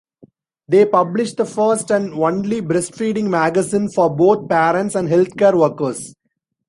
They publish the first and only breastfeeding magazine for both parents and healthcare workers.